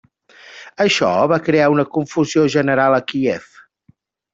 Això va crear una confusió general a Kíev.